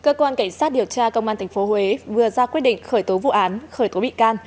cơ quan cảnh sát điều tra công an tp huế vừa ra quyết định khởi tố vụ án khởi tố bị can